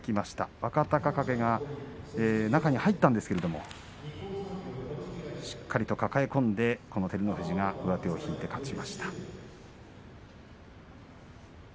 若隆景が中に入ったんですけれどもしっかりと抱え込んでこの照ノ富士が上手を引いて勝ちました。